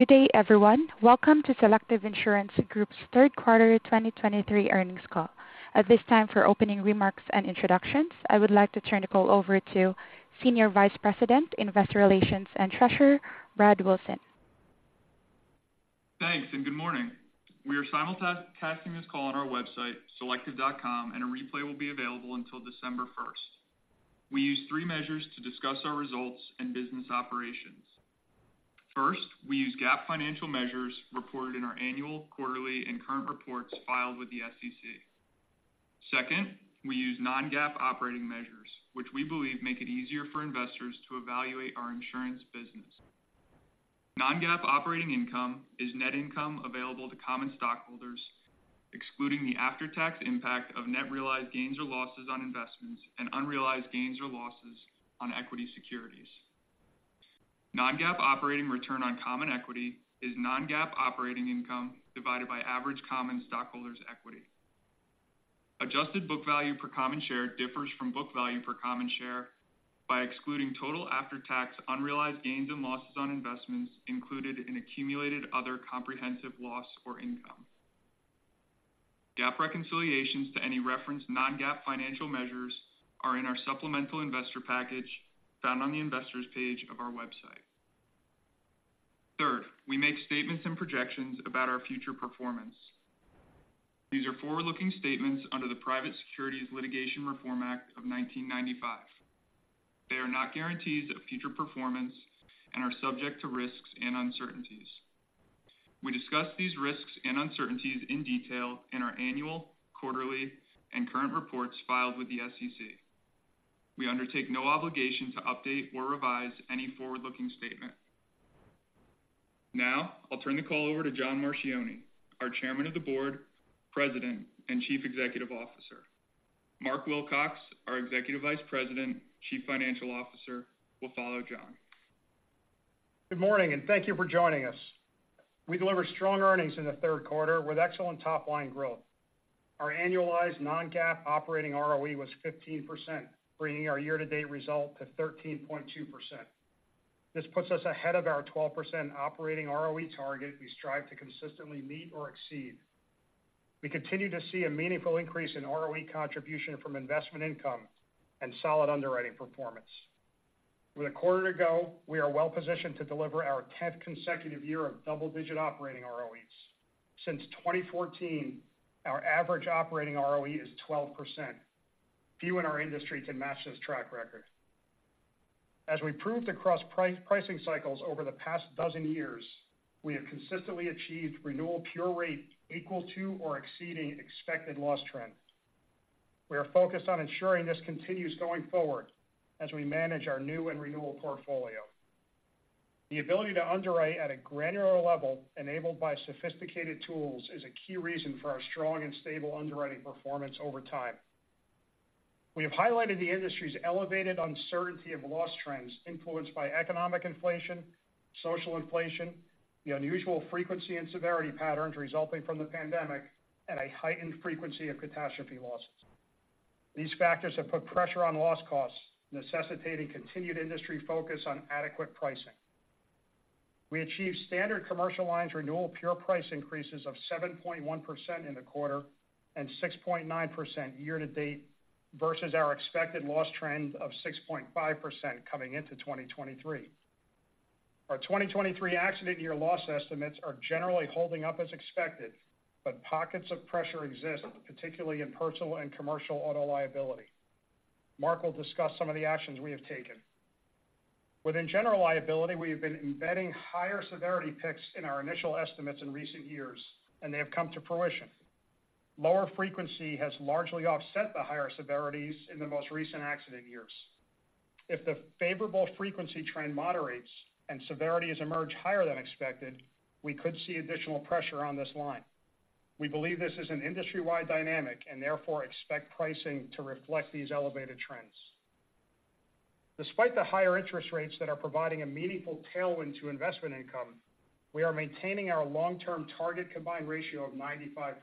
Good day, everyone. Welcome to Selective Insurance Group's third quarter 2023 earnings call. At this time, for opening remarks and introductions, I would like to turn the call over to Senior Vice President, Investor Relations and Treasurer, Brad Wilson. Thanks, and good morning. We are simulcasting this call on our website, selective.com, and a replay will be available until December first. We use three measures to discuss our results and business operations. First, we use GAAP financial measures reported in our annual, quarterly, and current reports filed with the SEC. Second, we use non-GAAP operating measures, which we believe make it easier for investors to evaluate our insurance business. Non-GAAP operating income is net income available to common stockholders, excluding the after-tax impact of net realized gains or losses on investments and unrealized gains or losses on equity securities. Non-GAAP operating return on common equity is non-GAAP operating income divided by average common stockholders' equity. Adjusted book value per common share differs from book value per common share by excluding total after-tax unrealized gains and losses on investments included in accumulated other comprehensive loss or income. GAAP reconciliations to any referenced non-GAAP financial measures are in our supplemental investor package found on the Investors page of our website. Third, we make statements and projections about our future performance. These are forward-looking statements under the Private Securities Litigation Reform Act of 1995. They are not guarantees of future performance and are subject to risks and uncertainties. We discuss these risks and uncertainties in detail in our annual, quarterly, and current reports filed with the SEC. We undertake no obligation to update or revise any forward-looking statement. Now, I'll turn the call over to John Marchioni, our Chairman of the Board, President, and Chief Executive Officer. Mark Wilcox, our Executive Vice President, Chief Financial Officer, will follow John. Good morning, and thank you for joining us. We delivered strong earnings in the third quarter with excellent top-line growth. Our annualized non-GAAP operating ROE was 15%, bringing our year-to-date result to 13.2%. This puts us ahead of our 12% operating ROE target we strive to consistently meet or exceed. We continue to see a meaningful increase in ROE contribution from investment income and solid underwriting performance. With a quarter to go, we are well positioned to deliver our 10th consecutive year of double-digit operating ROEs. Since 2014, our average operating ROE is 12%. Few in our industry can match this track record. As we proved across pricing cycles over the past 12 years, we have consistently achieved renewal pure rate equal to or exceeding expected loss trends. We are focused on ensuring this continues going forward as we manage our new and renewal portfolio. The ability to underwrite at a granular level, enabled by sophisticated tools, is a key reason for our strong and stable underwriting performance over time. We have highlighted the industry's elevated uncertainty of loss trends influenced by economic inflation, social inflation, the unusual frequency and severity patterns resulting from the pandemic, and a heightened frequency of catastrophe losses. These factors have put pressure on loss costs, necessitating continued industry focus on adequate pricing. We achieved Standard Commercial Lines renewal pure price increases of 7.1% in the quarter and 6.9% year-to-date versus our expected loss trend of 6.5% coming into 2023. Our 2023 accident year loss estimates are generally holding up as expected, but pockets of pressure exist, particularly in Personal and Commercial Auto liability. Mark will discuss some of the actions we have taken. Within General Liability, we have been embedding higher severity picks in our initial estimates in recent years, and they have come to fruition. Lower frequency has largely offset the higher severities in the most recent accident years. If the favorable frequency trend moderates and severities emerge higher than expected, we could see additional pressure on this line. We believe this is an industry-wide dynamic and therefore expect pricing to reflect these elevated trends. Despite the higher interest rates that are providing a meaningful tailwind to investment income, we are maintaining our long-term target combined ratio of 95%.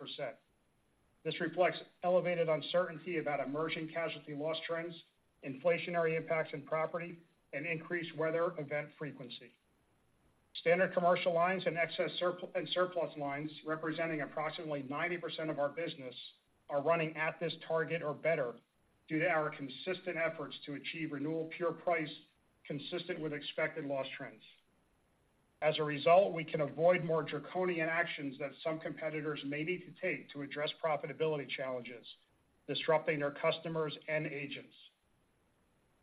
This reflects elevated uncertainty about emerging casualty loss trends, inflationary impacts in property, and increased weather event frequency. Standard Commercial Lines and Excess and Surplus Lines, representing approximately 90% of our business, are running at this target or better due to our consistent efforts to achieve renewal pure price consistent with expected loss trends. As a result, we can avoid more draconian actions that some competitors may need to take to address profitability challenges, disrupting their customers and agents.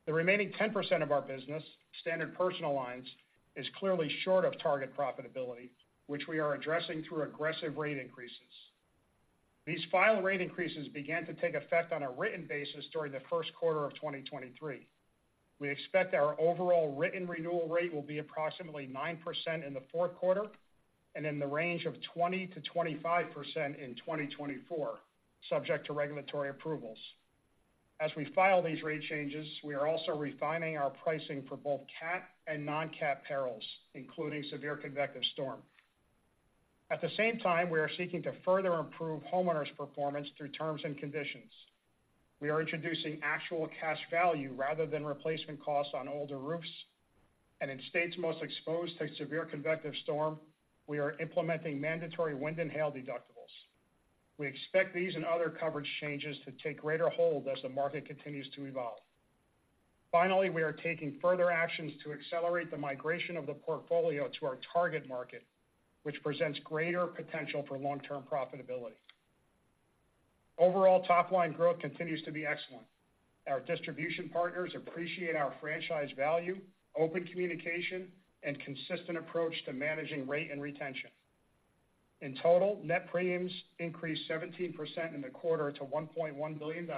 The remaining 10% of our business, Standard Personal Lines, is clearly short of target profitability, which we are addressing through aggressive rate increases. These final rate increases began to take effect on a written basis during the first quarter of 2023. We expect our overall written renewal rate will be approximately 9% in the fourth quarter and in the range of 20%-25% in 2024, subject to regulatory approvals. As we file these rate changes, we are also refining our pricing for both cat and non-cat perils, including severe convective storm. At the same time, we are seeking to further improve homeowners' performance through terms and conditions. We are introducing actual cash value rather than replacement costs on older roofs, and in states most exposed to severe convective storm, we are implementing mandatory wind and hail deductibles. We expect these and other coverage changes to take greater hold as the market continues to evolve. Finally, we are taking further actions to accelerate the migration of the portfolio to our target market, which presents greater potential for long-term profitability. Overall, top-line growth continues to be excellent. Our distribution partners appreciate our franchise value, open communication, and consistent approach to managing rate and retention. In total, net premiums increased 17% in the quarter to $1.1 billion,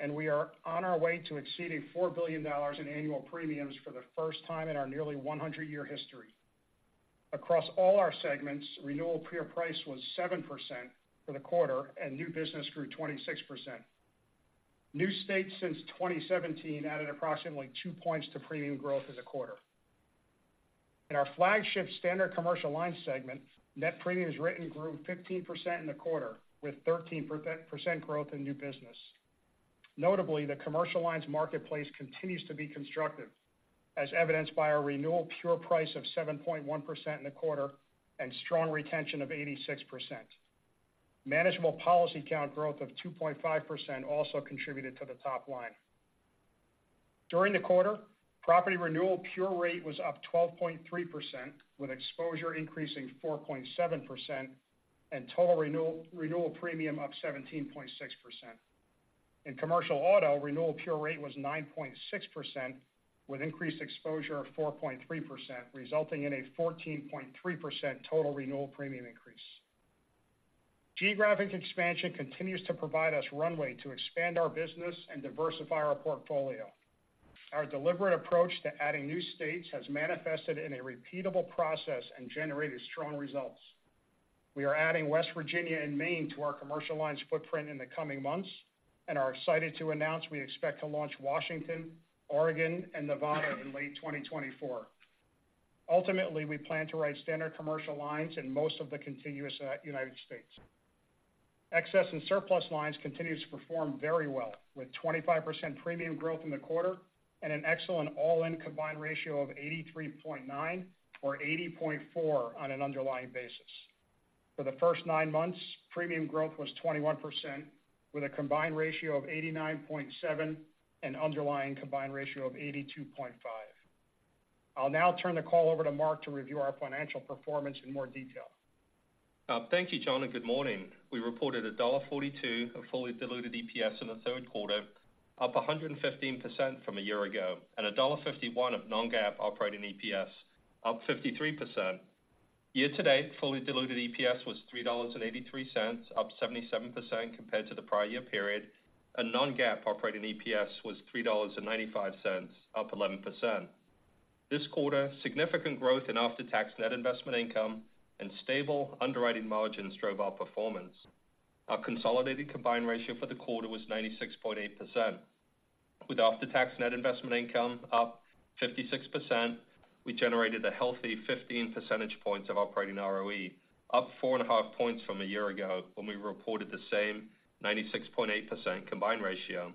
and we are on our way to exceeding $4 billion in annual premiums for the first time in our nearly 100-year history. Across all our segments, renewal pure price was 7% for the quarter, and new business grew 26%. New states since 2017 added approximately 2 points to premium growth in the quarter. In our flagship Standard Commercial Lines segment, net premiums written grew 15% in the quarter, with 13% growth in new business. Notably, the Commercial Lines marketplace continues to be constructive, as evidenced by our renewal pure price of 7.1% in the quarter and strong retention of 86%. Manageable policy count growth of 2.5% also contributed to the top line. During the quarter, property renewal pure rate was up 12.3%, with exposure increasing 4.7% and total renewal premium up 17.6%. In commercial auto, renewal pure rate was 9.6%, with increased exposure of 4.3%, resulting in a 14.3% total renewal premium increase. Geographic expansion continues to provide us runway to expand our business and diversify our portfolio. Our deliberate approach to adding new states has manifested in a repeatable process and generated strong results. We are adding West Virginia and Maine to our commercial lines footprint in the coming months and are excited to announce we expect to launch Washington, Oregon, and Nevada in late 2024. Ultimately, we plan to write standard commercial lines in most of the contiguous United States. Excess and surplus lines continued to perform very well with 25% premium growth in the quarter and an excellent all-in combined ratio of 83.9% or 80.4% on an underlying basis. For the first nine months, premium growth was 21% with a combined ratio of 89.7% and underlying combined ratio of 82.5%. I'll now turn the call over to Mark to review our financial performance in more detail. Thank you, John, and good morning. We reported $1.42 of fully diluted EPS in the third quarter, up 115% from a year ago, and $1.51 of non-GAAP operating EPS, up 53%. Year to date, fully diluted EPS was $3.83, up 77% compared to the prior year period, and non-GAAP operating EPS was $3.95, up 11%. This quarter, significant growth in after-tax net investment income and stable underwriting margins drove our performance. Our consolidated combined ratio for the quarter was 96.8%. With after-tax net investment income up 56%, we generated a healthy 15 percentage points of operating ROE, up 4.5 points from a year ago, when we reported the same 96.8% combined ratio.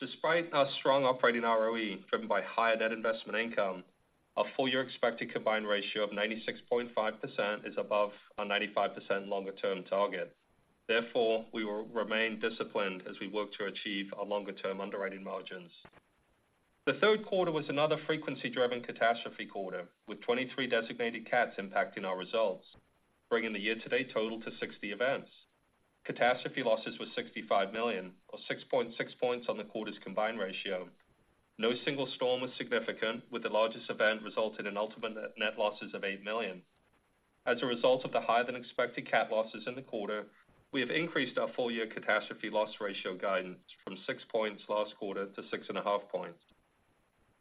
Despite our strong operating ROE, driven by higher net investment income, our full-year expected combined ratio of 96.5% is above our 95% longer-term target. Therefore, we will remain disciplined as we work to achieve our longer-term underwriting margins. The third quarter was another frequency-driven catastrophe quarter, with 23 designated cats impacting our results, bringing the year-to-date total to 60 events. Catastrophe losses were $65 million, or 6.6 points on the quarter's combined ratio. No single storm was significant, with the largest event resulting in ultimate net, net losses of $8 million. As a result of the higher-than-expected cat losses in the quarter, we have increased our full-year catastrophe loss ratio guidance from 6 points last quarter to 6.5 points.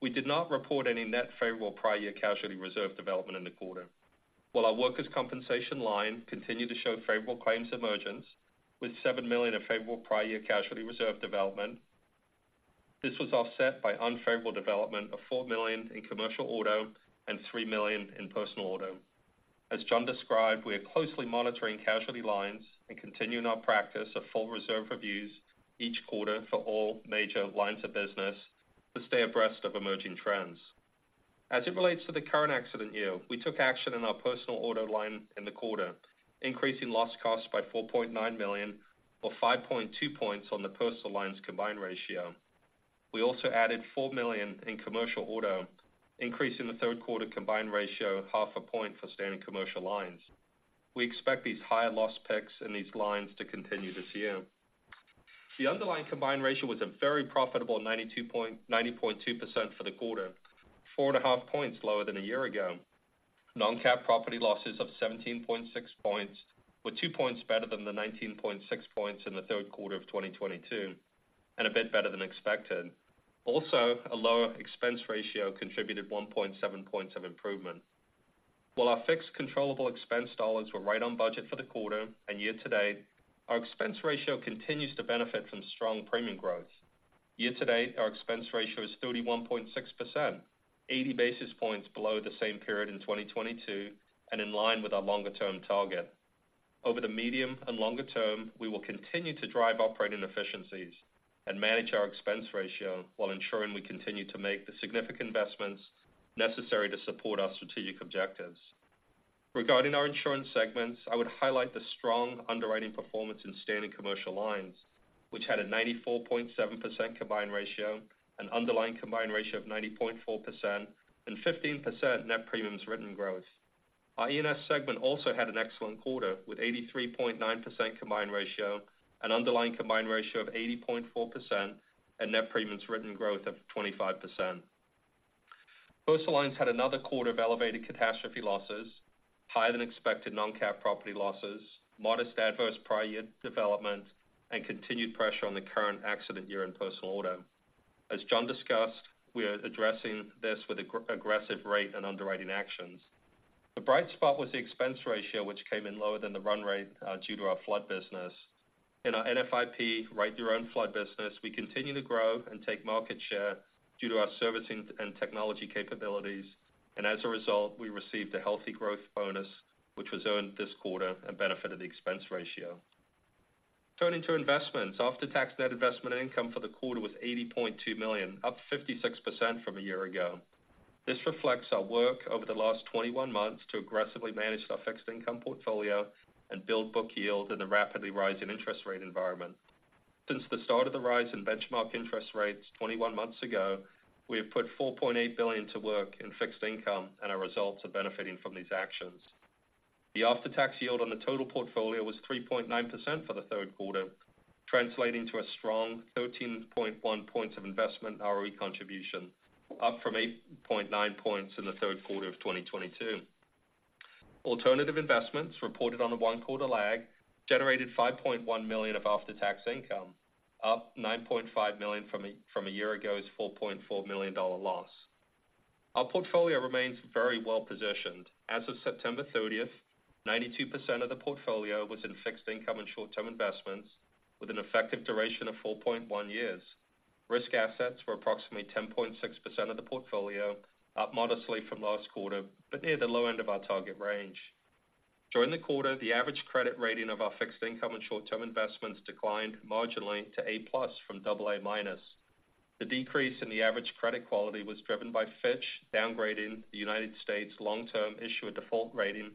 We did not report any net favorable prior year casualty reserve development in the quarter. While our Workers' Compensation line continued to show favorable claims emergence, with $7 million in favorable prior year casualty reserve development, this was offset by unfavorable development of $4 million in Commercial Auto and $3 million in personal auto. As John described, we are closely monitoring casualty lines and continuing our practice of full reserve reviews each quarter for all major lines of business to stay abreast of emerging trends. As it relates to the current Accident Year, we took action in our personal auto line in the quarter, increasing loss costs by $4.9 million, or 5.2 points on the personal lines combined ratio. We also added $4 million in Commercial Auto, increasing the third quarter combined ratio 0.5 point for Standard Commercial Lines. We expect these higher loss picks in these lines to continue this year. The underlying combined ratio was a very profitable 90.2% for the quarter, 4.5 points lower than a year ago. Non-cat property losses of 17.6 points were two points better than the 19.6 points in the third quarter of 2022, and a bit better than expected. Also, a lower expense ratio contributed 1.7 points of improvement. While our fixed controllable expense dollars were right on budget for the quarter and year to date, our expense ratio continues to benefit from strong premium growth.... Year-to-date, our expense ratio is 31.6%, 80 basis points below the same period in 2022, and in line with our longer-term target. Over the medium and longer term, we will continue to drive operating efficiencies and manage our expense ratio while ensuring we continue to make the significant investments necessary to support our strategic objectives. Regarding our insurance segments, I would highlight the strong underwriting performance in standard commercial lines, which had a 94.7% combined ratio, an underlying combined ratio of 90.4%, and 15% net premiums written growth. Our E&S segment also had an excellent quarter, with 83.9% combined ratio, an underlying combined ratio of 80.4%, and net premiums written growth of 25%. Personal lines had another quarter of elevated catastrophe losses, higher than expected non-cat property losses, modest adverse prior year development, and continued pressure on the current accident year in personal auto. As John discussed, we are addressing this with aggressive rate and underwriting actions. The bright spot was the expense ratio, which came in lower than the run rate due to our flood business. In our NFIP, Write Your Own Flood business, we continue to grow and take market share due to our servicing and technology capabilities, and as a result, we received a healthy growth bonus, which was earned this quarter and benefited the expense ratio. Turning to investments, after-tax net investment income for the quarter was $80.2 million, up 56% from a year ago. This reflects our work over the last 21 months to aggressively manage our fixed income portfolio and build book yield in a rapidly rising interest rate environment. Since the start of the rise in benchmark interest rates 21 months ago, we have put $4.8 billion to work in fixed income, and our results are benefiting from these actions. The after-tax yield on the total portfolio was 3.9% for the third quarter, translating to a strong 13.1 points of investment ROE contribution, up from 8.9 points in the third quarter of 2022. Alternative investments reported on a one-quarter lag, generated $5.1 million of after-tax income, up $9.5 million from a year ago's $4.4 million dollar loss. Our portfolio remains very well positioned. As of September 30th, 92% of the portfolio was in fixed income and short-term investments, with an effective duration of 4.1 years. Risk assets were approximately 10.6% of the portfolio, up modestly from last quarter, but near the low end of our target range. During the quarter, the average credit rating of our fixed income and short-term investments declined marginally to A+ from AA-. The decrease in the average credit quality was driven by Fitch downgrading the United States long-term issuer default rating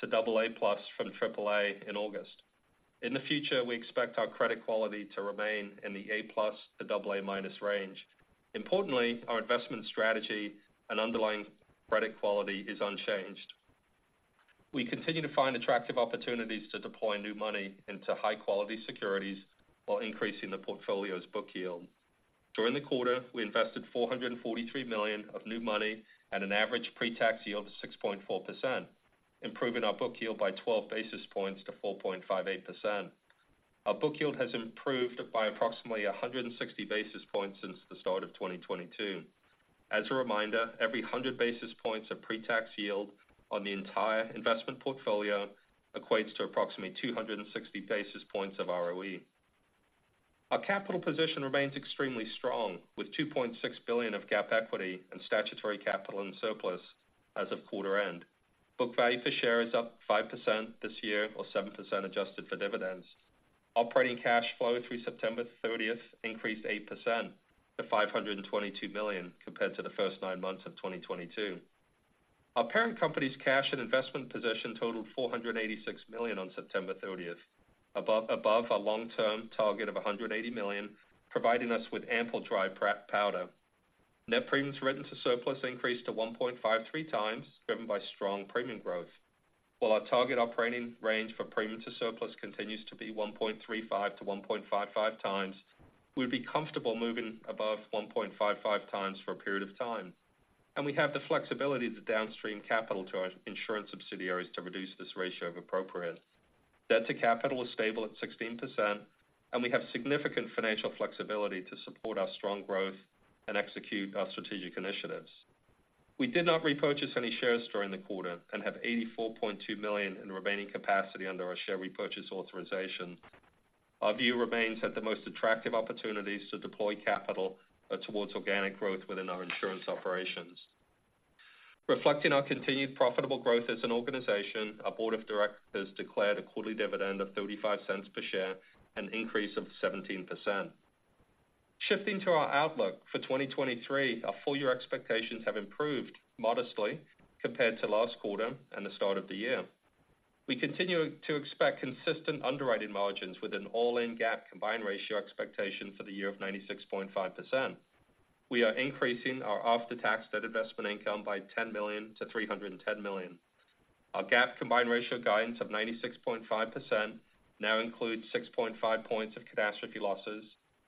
to AA+ from AAA in August. In the future, we expect our credit quality to remain in the A+ to AA- range. Importantly, our investment strategy and underlying credit quality is unchanged. We continue to find attractive opportunities to deploy new money into high-quality securities while increasing the portfolio's book yield. During the quarter, we invested $443 million of new money at an average pre-tax yield of 6.4%, improving our book yield by 12 basis points to 4.58%. Our book yield has improved by approximately 100 basis points since the start of 2022. As a reminder, every 100 basis points of pre-tax yield on the entire investment portfolio equates to approximately 260 basis points of ROE. Our capital position remains extremely strong, with $2.6 billion of GAAP equity and statutory capital and surplus as of quarter end. Book value per share is up 5% this year, or 7% adjusted for dividends. Operating cash flow through September 30th increased 8% to $522 million compared to the first nine months of 2022. Our parent company's cash and investment position totaled $486 million on September 30th, above our long-term target of $180 million, providing us with ample dry powder. Net premiums written to surplus increased to 1.53x, driven by strong premium growth. While our target operating range for premium to surplus continues to be 1.35x-1.55x, we'd be comfortable moving above 1.55 times for a period of time, and we have the flexibility to downstream capital to our insurance subsidiaries to reduce this ratio if appropriate. Debt to capital is stable at 16%, and we have significant financial flexibility to support our strong growth and execute our strategic initiatives. We did not repurchase any shares during the quarter and have $84.2 million in remaining capacity under our share repurchase authorization. Our view remains that the most attractive opportunities to deploy capital are towards organic growth within our insurance operations. Reflecting our continued profitable growth as an organization, our board of directors declared a quarterly dividend of 35 cents per share, an increase of 17%. Shifting to our outlook for 2023, our full year expectations have improved modestly compared to last quarter and the start of the year. We continue to expect consistent underwriting margins with an all-in GAAP combined ratio expectation for the year of 96.5%. We are increasing our after-tax debt investment income by $10 million to $310 million. Our GAAP combined ratio guidance of 96.5% now includes 6.5 points of catastrophe losses,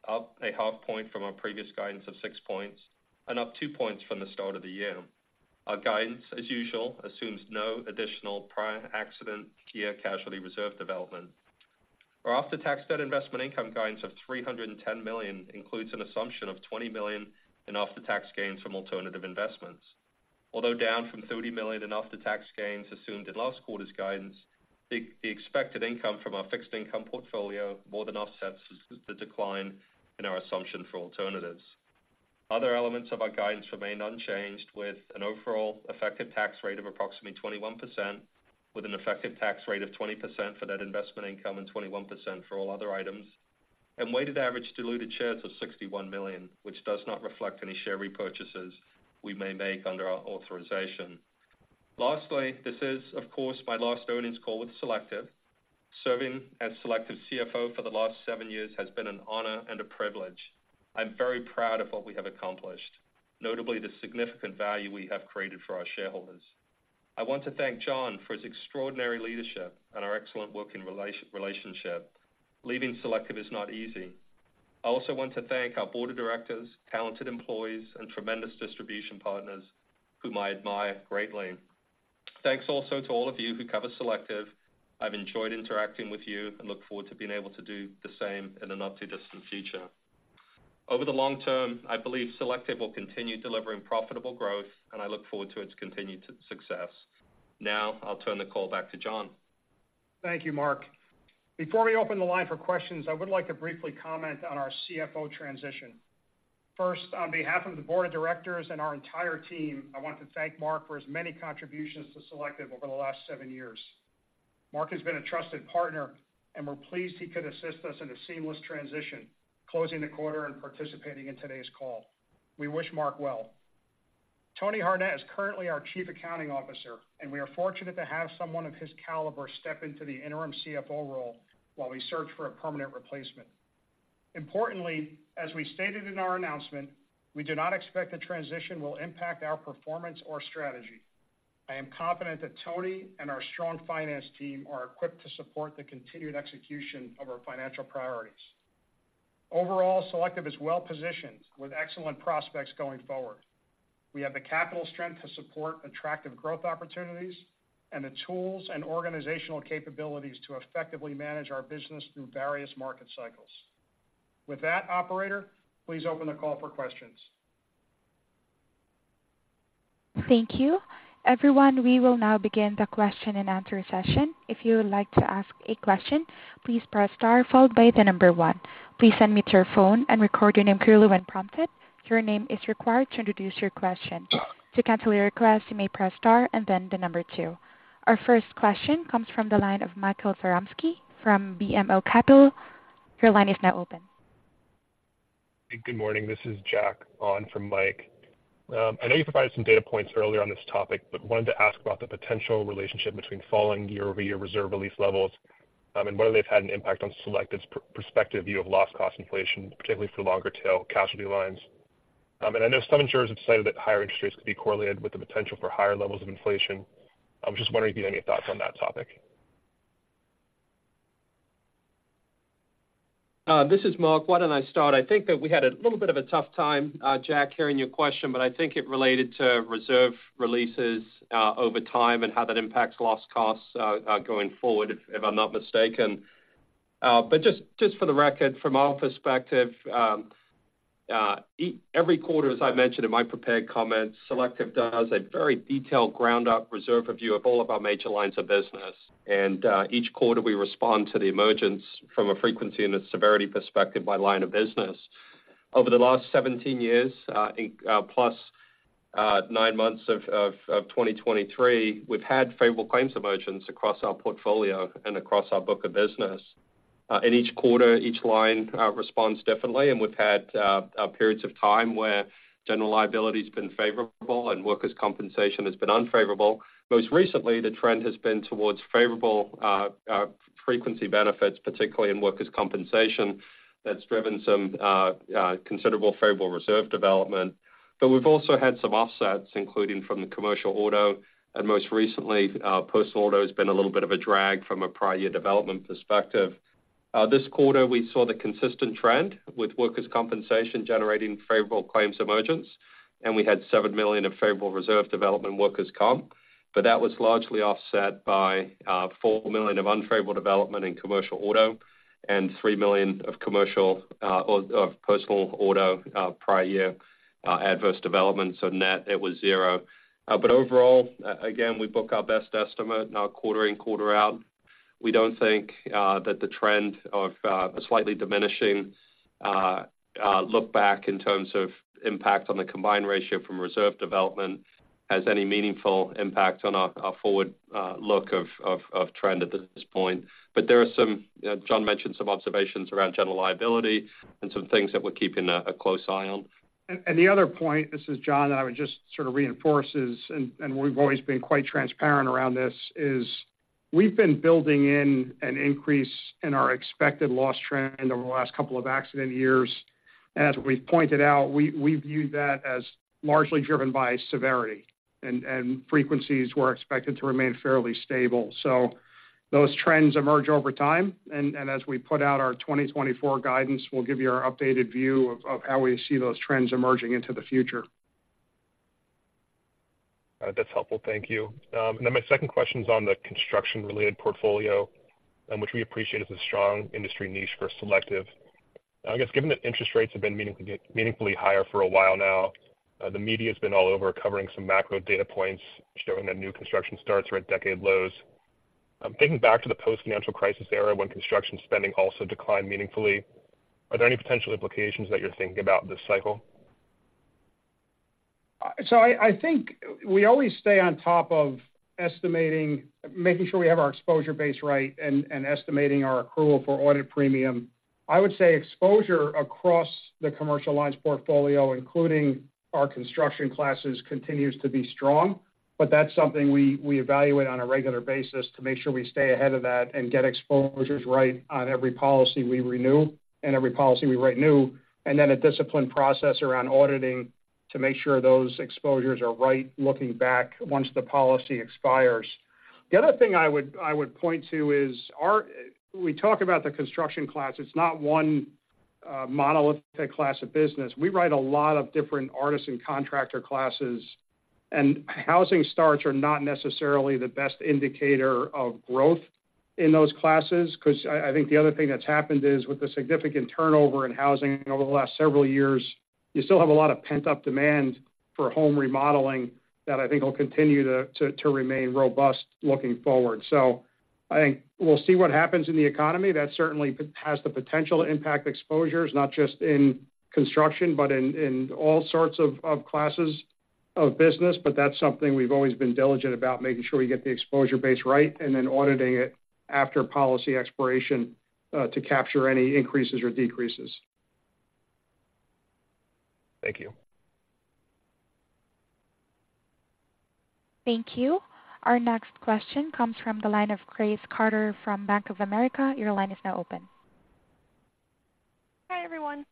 up 0.5 point from our previous guidance of six points and up two points from the start of the year. Our guidance, as usual, assumes no additional prior accident year casualty reserve development. Our after-tax debt investment income guidance of $310 million includes an assumption of $20 million in after-tax gains from alternative investments... although down from $30 million in after-tax gains assumed in last quarter's guidance, the expected income from our fixed income portfolio more than offsets the decline in our assumption for alternatives. Other elements of our guidance remain unchanged, with an overall effective tax rate of approximately 21%, with an effective tax rate of 20% for net investment income and 21% for all other items, and weighted average diluted shares of 61 million, which does not reflect any share repurchases we may make under our authorization. Lastly, this is, of course, my last earnings call with Selective. Serving as Selective's CFO for the last seven years has been an honor and a privilege. I'm very proud of what we have accomplished, notably the significant value we have created for our shareholders. I want to thank John for his extraordinary leadership and our excellent working relationship. Leaving Selective is not easy. I also want to thank our board of directors, talented employees, and tremendous distribution partners, whom I admire greatly. Thanks also to all of you who cover Selective. I've enjoyed interacting with you and look forward to being able to do the same in the not-too-distant future. Over the long term, I believe Selective will continue delivering profitable growth, and I look forward to its continued success. Now, I'll turn the call back to John. Thank you, Mark. Before we open the line for questions, I would like to briefly comment on our CFO transition. First, on behalf of the board of directors and our entire team, I want to thank Mark for his many contributions to Selective over the last seven years. Mark has been a trusted partner, and we're pleased he could assist us in a seamless transition, closing the quarter and participating in today's call. We wish Mark well. Tony Harnett is currently our Chief Accounting Officer, and we are fortunate to have someone of his caliber step into the interim CFO role while we search for a permanent replacement. Importantly, as we stated in our announcement, we do not expect the transition will impact our performance or strategy. I am confident that Tony and our strong finance team are equipped to support the continued execution of our financial priorities. Overall, Selective is well positioned with excellent prospects going forward. We have the capital strength to support attractive growth opportunities and the tools and organizational capabilities to effectively manage our business through various market cycles. With that, operator, please open the call for questions. Thank you. Everyone, we will now begin the question-and-answer session. If you would like to ask a question, please press star followed by the number one. Please unmute your phone and record your name clearly when prompted. Your name is required to introduce your question. To cancel your request, you may press star and then the number two. Our first question comes from the line of Michael Zaremski from BMO Capital. Your line is now open. Good morning, this is Jack on from Mike. I know you provided some data points earlier on this topic, but wanted to ask about the potential relationship between falling year-over-year reserve release levels, and whether they've had an impact on Selective's prospective view of loss cost inflation, particularly for the longer tail casualty lines. And I know some insurers have cited that higher interest rates could be correlated with the potential for higher levels of inflation. I was just wondering if you had any thoughts on that topic. This is Mark. Why don't I start? I think that we had a little bit of a tough time, Jack, hearing your question, but I think it related to reserve releases, over time and how that impacts loss costs, going forward, if I'm not mistaken. But just for the record, from our perspective, every quarter, as I mentioned in my prepared comments, Selective does a very detailed ground-up reserve review of all of our major lines of business. And each quarter, we respond to the emergence from a frequency and a severity perspective by line of business. Over the last 17 years in plus nine months of 2023, we've had favorable claims emergence across our portfolio and across our book of business. In each quarter, each line responds differently, and we've had periods of time where general liability's been favorable and workers' compensation has been unfavorable. Most recently, the trend has been towards favorable frequency benefits, particularly in workers' compensation. That's driven some considerable favorable reserve development. But we've also had some offsets, including from the commercial auto, and most recently, personal auto has been a little bit of a drag from a prior year development perspective. This quarter, we saw the consistent trend with workers' compensation generating favorable claims emergence, and we had $7 million of favorable reserve development in workers' comp. But that was largely offset by $4 million of unfavorable development in commercial auto and $3 million of commercial, or of personal auto prior year adverse development. So net, it was 0. But overall, again, we book our best estimate now quarter in, quarter out. We don't think that the trend of a slightly diminishing look back in terms of impact on the combined ratio from reserve development has any meaningful impact on our forward look of trend at this point. But there are some, John mentioned some observations around General Liability and some things that we're keeping a close eye on. The other point, this is John, that I would just sort of reinforce is, we've always been quite transparent around this, is we've been building in an increase in our expected loss trend over the last couple of accident years. As we've pointed out, we view that as largely driven by severity, and frequencies were expected to remain fairly stable. So those trends emerge over time, and as we put out our 2024 guidance, we'll give you our updated view of how we see those trends emerging into the future. That's helpful. Thank you. And then my second question is on the construction-related portfolio, and which we appreciate is a strong industry niche for Selective. I guess, given that interest rates have been meaningfully higher for a while now, the media's been all over covering some macro data points, showing that new construction starts are at decade lows. Thinking back to the post-financial crisis era, when construction spending also declined meaningfully, are there any potential implications that you're thinking about this cycle? So I think we always stay on top of estimating, making sure we have our exposure base right and estimating our accrual for audit premium. I would say exposure across the commercial lines portfolio, including our construction classes, continues to be strong. But that's something we evaluate on a regular basis to make sure we stay ahead of that and get exposures right on every policy we renew and every policy we write new, and then a disciplined process around auditing to make sure those exposures are right, looking back once the policy expires. The other thing I would point to is our. We talk about the construction class. It's not one monolithic class of business. We write a lot of different artisan contractor classes, and housing starts are not necessarily the best indicator of growth in those classes. Because I think the other thing that's happened is with the significant turnover in housing over the last several years, you still have a lot of pent-up demand for home remodeling that I think will continue to remain robust looking forward. So I think we'll see what happens in the economy. That certainly has the potential to impact exposures, not just in construction, but in all sorts of classes of business. But that's something we've always been diligent about, making sure we get the exposure base right and then auditing it after policy expiration to capture any increases or decreases. Thank you. Thank you. Our next question comes from the line of Grace Carter from Bank of America. Your line is now open. Hi, everyone.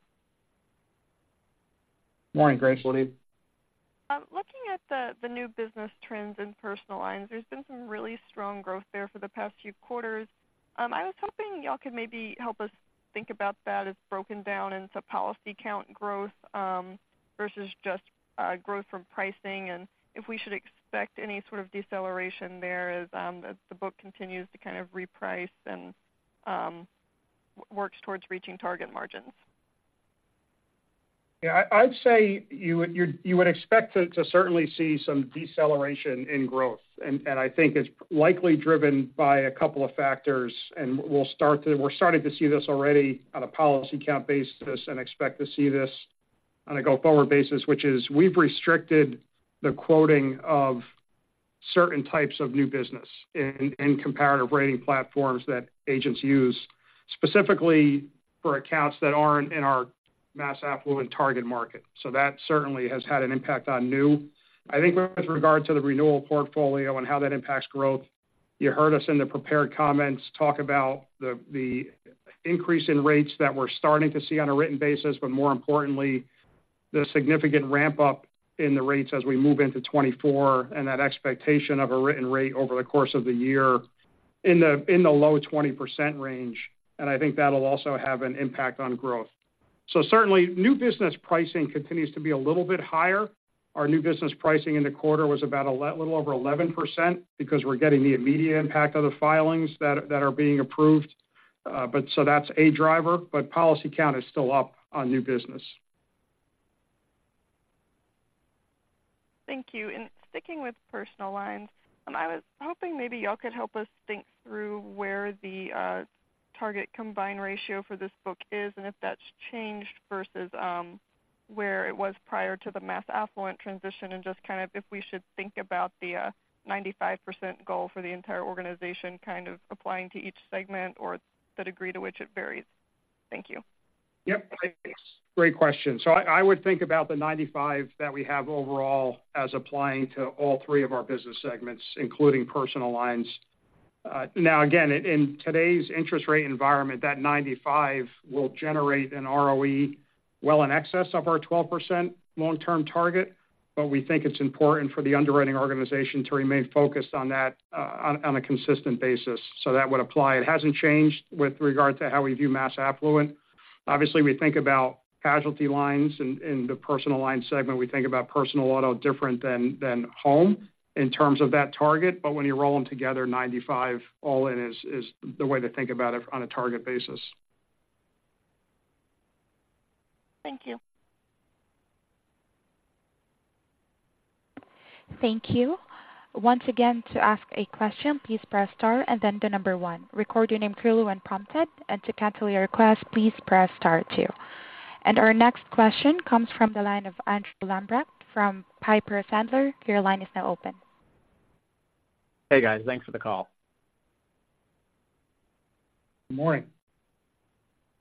Morning, Grace. Looking at the new business trends in Personal Lines, there's been some really strong growth there for the past few quarters. I was hoping y'all could maybe help us think about that as broken down into policy count growth, versus just growth from pricing, and if we should expect any sort of deceleration there as the book continues to kind of reprice and works towards reaching target margins. Yeah, I'd say you'd expect to certainly see some deceleration in growth. And I think it's likely driven by a couple of factors, and we're starting to see this already on a policy count basis and expect to see this on a go-forward basis, which is we've restricted the quoting of certain types of new business in comparative rating platforms that agents use, specifically for accounts that aren't in our mass affluent target market. So that certainly has had an impact on new. I think with regard to the renewal portfolio and how that impacts growth, you heard us in the prepared comments talk about the increase in rates that we're starting to see on a written basis, but more importantly, the significant ramp up in the rates as we move into 2024, and that expectation of a written rate over the course of the year in the low 20% range. I think that'll also have an impact on growth. So certainly, new business pricing continues to be a little bit higher. Our new business pricing in the quarter was about a little over 11% because we're getting the immediate impact of the filings that are being approved. But so that's a driver, but policy count is still up on new business. Thank you. And sticking with personal lines, I was hoping maybe y'all could help us think through where the target combined ratio for this book is, and if that's changed versus where it was prior to the mass affluent transition, and just kind of if we should think about the 95% goal for the entire organization kind of applying to each segment or the degree to which it varies? Thank you. Yep. Great question. So I would think about the 95 that we have overall as applying to all three of our business segments, including personal lines. Now, again, in today's interest rate environment, that 95 will generate an ROE well in excess of our 12% long-term target. But we think it's important for the underwriting organization to remain focused on that on a consistent basis. So that would apply. It hasn't changed with regard to how we view mass affluent. Obviously, we think about casualty lines in the personal line segment. We think about personal auto different than home in terms of that target, but when you roll them together, 95 all in is the way to think about it on a target basis. Thank you. Thank you. Once again, to ask a question, please press star and then the number one. Record your name clearly when prompted, and to cancel your request, please press star two. And our next question comes from the line of Andrew Lambrecht from Piper Sandler. Your line is now open. Hey, guys. Thanks for the call. Good morning.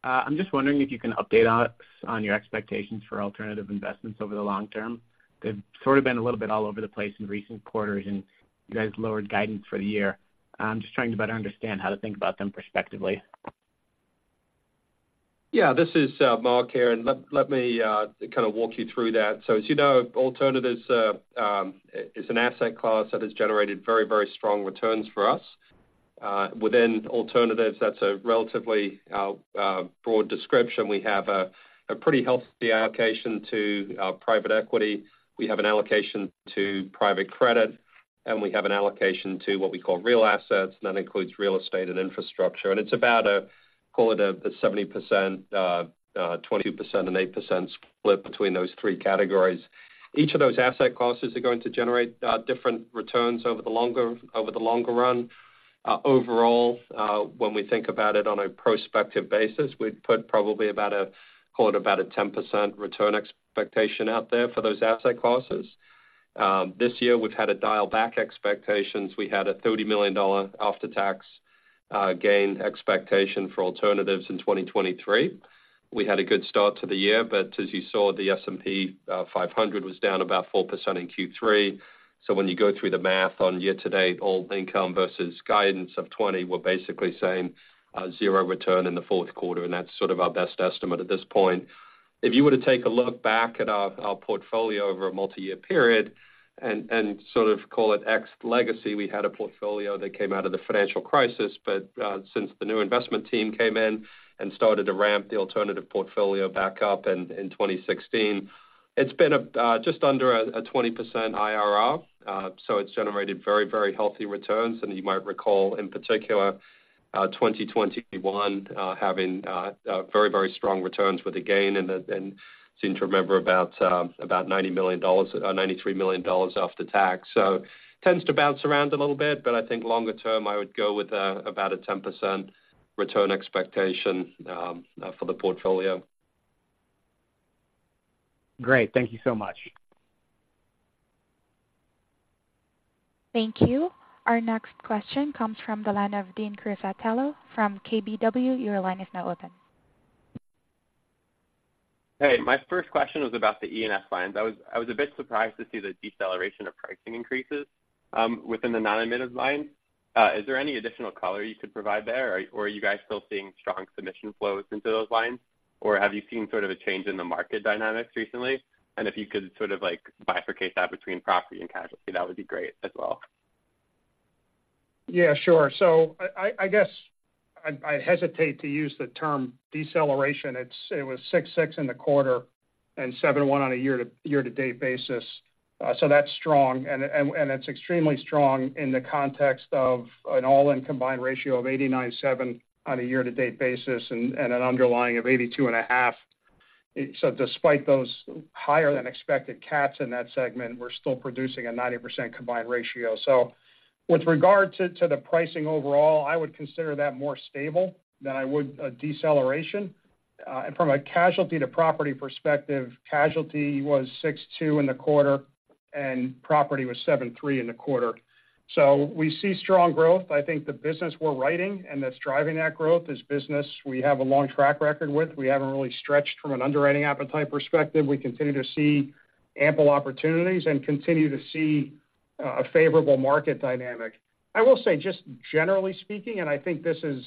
I'm just wondering if you can update us on your expectations for alternative investments over the long term. They've sort of been a little bit all over the place in recent quarters, and you guys lowered guidance for the year. I'm just trying to better understand how to think about them prospectively. Yeah, this is, Mark here, and let me kind of walk you through that. So as you know, alternatives is an asset class that has generated very, very strong returns for us. Within alternatives, that's a relatively broad description. We have a pretty healthy allocation to private equity. We have an allocation to private credit, and we have an allocation to what we call real assets, and that includes real estate and infrastructure. And it's about a, call it a 70%, 20%, and 8% split between those three categories. Each of those asset classes are going to generate different returns over the longer, over the longer run. Overall, when we think about it on a prospective basis, we'd put probably about a, call it about a 10% return expectation out there for those asset classes. This year, we've had to dial back expectations. We had a $30 million after-tax gain expectation for alternatives in 2023. We had a good start to the year, but as you saw, the S&P 500 was down about 4% in Q3. So when you go through the math on year-to-date, all income versus guidance of 20, we're basically saying a zero return in the fourth quarter, and that's sort of our best estimate at this point. If you were to take a look back at our portfolio over a multi-year period and sort of call it ex-legacy, we had a portfolio that came out of the financial crisis. But since the new investment team came in and started to ramp the alternative portfolio back up in 2016, it's been just under a 20% IRR. So it's generated very, very healthy returns. And you might recall, in particular, 2021, having a very, very strong returns with a gain, and then seem to remember about $90 million, $93 million after tax. So tends to bounce around a little bit, but I think longer term, I would go with about a 10% return expectation for the portfolio. Great. Thank you so much. Thank you. Our next question comes from the line of Dean Cristello from KBW. Your line is now open. Hey, my first question was about the E&S lines. I was a bit surprised to see the deceleration of pricing increases within the nonadmitted lines. Is there any additional color you could provide there, or are you guys still seeing strong submission flows into those lines? Or have you seen sort of a change in the market dynamics recently? And if you could sort of, like, bifurcate that between property and casualty, that would be great as well. Yeah, sure. So I guess I hesitate to use the term deceleration. It's. It was 6.6% in the quarter and 7.1% on a year-to-date basis. So that's strong, and it's extremely strong in the context of an all-in combined ratio of 89.7% on a year-to-date basis and an underlying of 82.5%. So despite those higher than expected cats in that segment, we're still producing a 90% combined ratio. So with regard to the pricing overall, I would consider that more stable than I would a deceleration. And from a casualty to property perspective, casualty was 6.2% in the quarter, and property was 7.3% in the quarter. So we see strong growth. I think the business we're writing and that's driving that growth is business we have a long track record with. We haven't really stretched from an underwriting appetite perspective. We continue to see ample opportunities and continue to see a favorable market dynamic. I will say, just generally speaking, and I think this is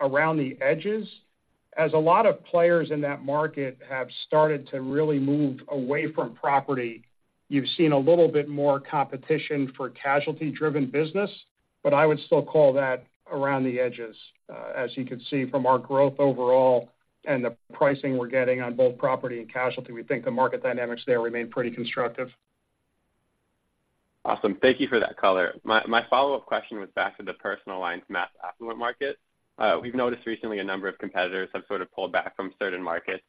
around the edges, as a lot of players in that market have started to really move away from property, you've seen a little bit more competition for casualty-driven business, but I would still call that around the edges. As you can see from our growth overall and the pricing we're getting on both property and casualty, we think the market dynamics there remain pretty constructive. Awesome. Thank you for that color. My follow-up question was back to the personal lines, mass affluent market. We've noticed recently a number of competitors have sort of pulled back from certain markets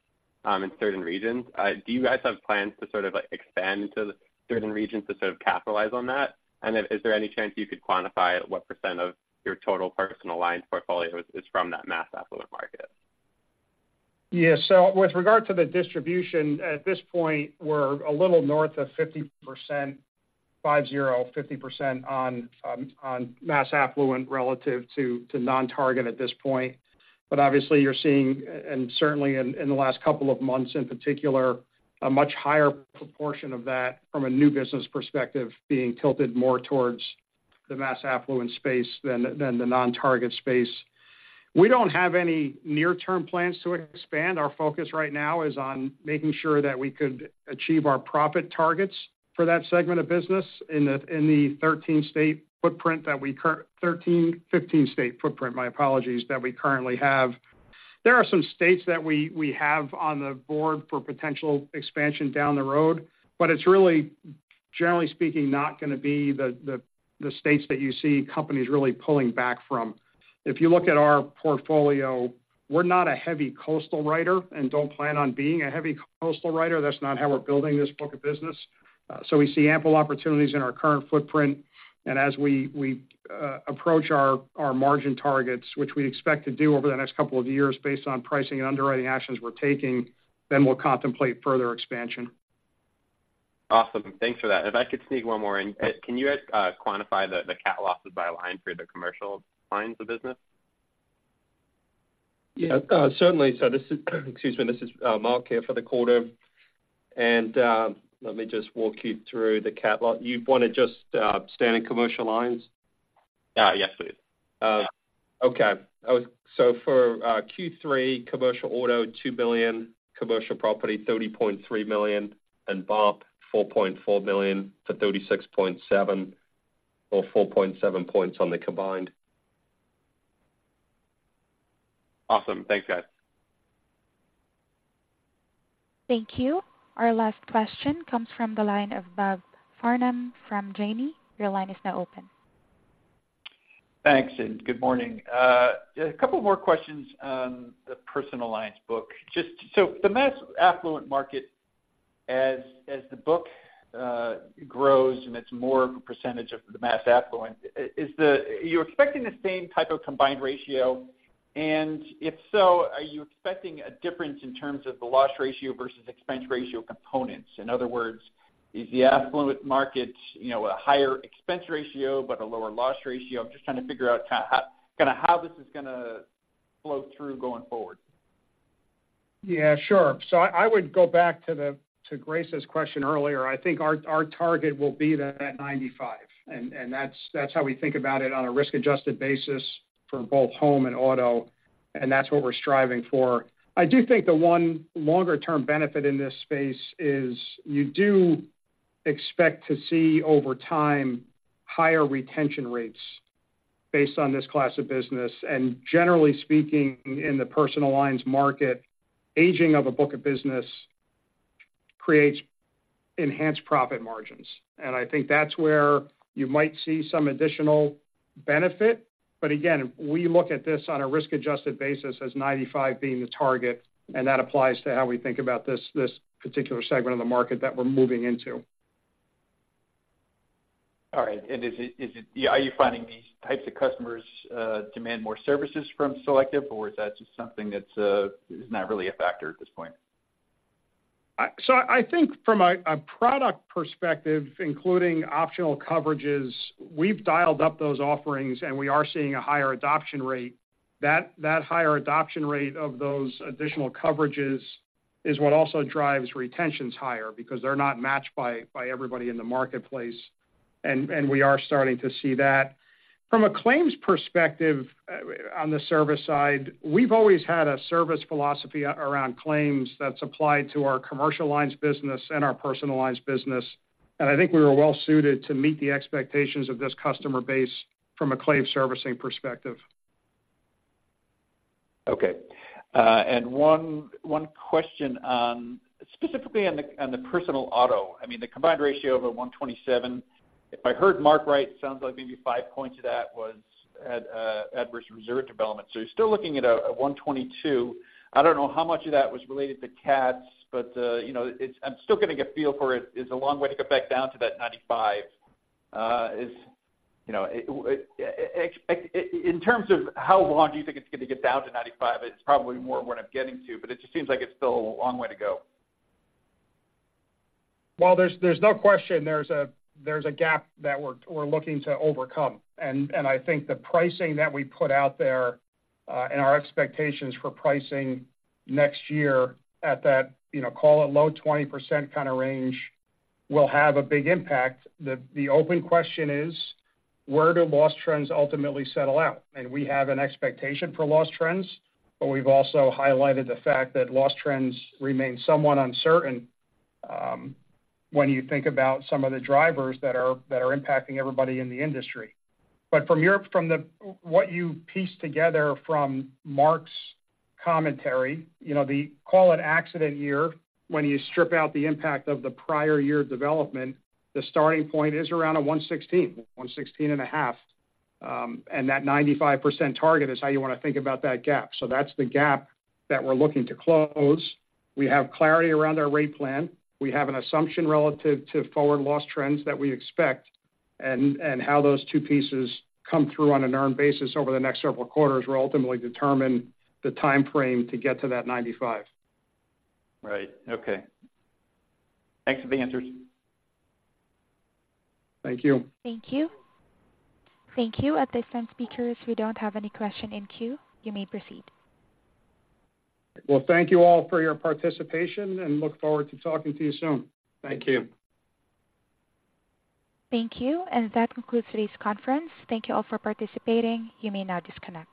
in certain regions. Do you guys have plans to sort of, like, expand to certain regions to sort of capitalize on that? And then is there any chance you could quantify what % of your total personal lines portfolio is from that mass affluent market? Yeah. So with regard to the distribution, at this point, we're a little north of 50%, 50% on mass affluent relative to non-target at this point. But obviously, you're seeing, and certainly in the last couple of months in particular, a much higher proportion of that from a new business perspective, being tilted more towards the mass affluent space than the non-target space. We don't have any near-term plans to expand. Our focus right now is on making sure that we could achieve our profit targets for that segment of business in the 13-state footprint, 15-state footprint, my apologies, that we currently have. There are some states that we have on the board for potential expansion down the road, but it's really, generally speaking, not gonna be the states that you see companies really pulling back from. If you look at our portfolio, we're not a heavy coastal writer and don't plan on being a heavy coastal writer. That's not how we're building this book of business. So we see ample opportunities in our current footprint, and as we approach our margin targets, which we expect to do over the next couple of years based on pricing and underwriting actions we're taking, then we'll contemplate further expansion. Awesome. Thanks for that. If I could sneak one more in. Can you quantify the cat losses by line for the commercial lines of business? Yeah, certainly. So this is, excuse me, this is Mark here for the quarter, and let me just walk you through the cat loss. You want to just standard commercial lines? Yes, please. For Q3, Commercial Auto, $2 billion, Commercial Property, $30.3 million, and BOP, $4.4 million-$36.7 million, or 4.7 points on the combined. Awesome. Thanks, guys. Thank you. Our last question comes from the line of Bob Farnam from Janney. Your line is now open. Thanks, and good morning. A couple more questions on the personal lines book. Just so the mass affluent market, as the book grows and it's more of a percentage of the mass affluent, are you expecting the same type of combined ratio? And if so, are you expecting a difference in terms of the loss ratio versus expense ratio components? In other words, is the affluent market, you know, a higher expense ratio but a lower loss ratio? I'm just trying to figure out kind of how this is gonna flow through going forward. Yeah, sure. So I, I would go back to the, to Grace's question earlier. I think our, our target will be that 95, and, and that's, that's how we think about it on a risk-adjusted basis for both home and auto, and that's what we're striving for. I do think the one longer-term benefit in this space is you do expect to see, over time, higher retention rates based on this class of business. And generally speaking, in the personal lines market, aging of a book of business creates enhanced profit margins, and I think that's where you might see some additional benefit. But again, we look at this on a risk-adjusted basis as 95 being the target, and that applies to how we think about this, this particular segment of the market that we're moving into. All right. Is it... Are you finding these types of customers demand more services from Selective, or is that just something that's not really a factor at this point? So I think from a product perspective, including optional coverages, we've dialed up those offerings, and we are seeing a higher adoption rate. That higher adoption rate of those additional coverages is what also drives retentions higher because they're not matched by everybody in the marketplace, and we are starting to see that. From a claims perspective, on the service side, we've always had a service philosophy around claims that's applied to our commercial lines business and our personal lines business, and I think we were well suited to meet the expectations of this customer base from a claims servicing perspective. Okay. And one question on, specifically on the personal auto. I mean, the combined ratio of 127, if I heard Mark right, it sounds like maybe five points of that was adverse reserve development. So you're still looking at a 122%. I don't know how much of that was related to cats, but you know, it's—I'm still getting a feel for it, is a long way to get back down to that 95%. Is, you know, in terms of how long do you think it's going to get down to 95%? It's probably more what I'm getting to, but it just seems like it's still a long way to go. Well, there's no question there's a gap that we're looking to overcome. And I think the pricing that we put out there and our expectations for pricing next year at that, you know, call it low 20% kind of range, will have a big impact. The open question is, where do loss trends ultimately settle out? And we have an expectation for loss trends, but we've also highlighted the fact that loss trends remain somewhat uncertain when you think about some of the drivers that are impacting everybody in the industry. But from what you pieced together from Mark's commentary, you know, the call it accident year, when you strip out the impact of the prior year development, the starting point is around a 116%, 116.5%. And that 95% target is how you want to think about that gap. So that's the gap that we're looking to close. We have clarity around our rate plan. We have an assumption relative to forward loss trends that we expect, and how those two pieces come through on an earned basis over the next several quarters will ultimately determine the timeframe to get to that 95%. Right. Okay. Thanks for the answers. Thank you. Thank you. Thank you. At this time, speakers, we don't have any question in queue. You may proceed. Well, thank you all for your participation, and look forward to talking to you soon. Thank you. Thank you, and that concludes today's conference. Thank you all for participating. You may now disconnect.